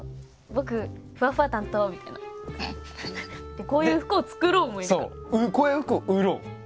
でこういう服も作ろうもいる。